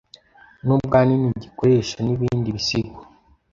nubwo ahanini gikoresha nibindi bisigo